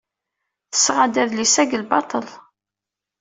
Tesɣa-d adlis-a deg lbaṭel.